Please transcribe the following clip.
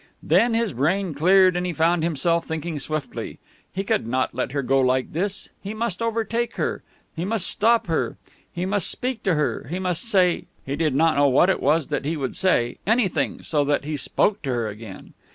Then his brain cleared, and he found himself thinking swiftly. He could not let her go like this. He must overtake her. He must stop her. He must speak to her. He must say he did not know what it was that he would say anything, so that he spoke to her again.